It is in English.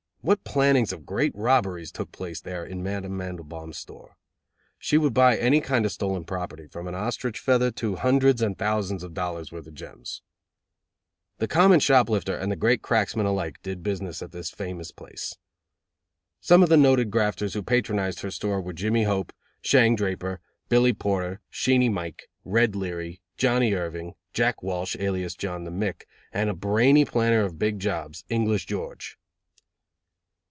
What plannings of great robberies took place there, in Madame Mandelbaum's store! She would buy any kind of stolen property, from an ostrich feather to hundreds and thousands of dollars' worth of gems. The common shop lifter and the great cracksman alike did business at this famous place. Some of the noted grafters who patronized her store were Jimmy Hope, Shang Draper, Billy Porter, Sheenie Mike, Red Leary, Johnnie Irving, Jack Walsh, alias John the Mick, and a brainy planner of big jobs, English George.